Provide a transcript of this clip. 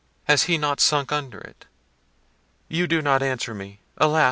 has he not sunk under it? You do not answer me—alas!